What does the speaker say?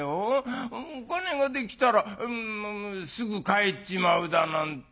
お金ができたらすぐ帰っちまうだなんて。